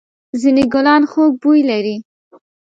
ځېنې گلان خوږ بوی لري.